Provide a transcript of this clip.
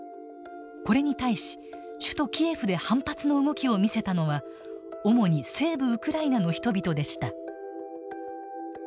これに対し首都キエフで反発の動きを見せたのは主に西部ウクライナの人々でした。